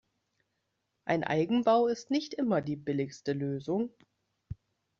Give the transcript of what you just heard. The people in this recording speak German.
Ein Eigenbau ist nicht immer die billigste Lösung.